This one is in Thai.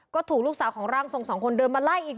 ก็ถูกลูกสาวของร่างทรงสองคนเดินมาไล่อีก